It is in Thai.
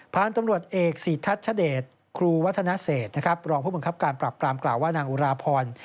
ผ่านตำรวจเอกสีทัศน์ชะเดชครูวัฒนะเศษรองผู้บังคับการปรับกรามกล่าวว่านางอุราพร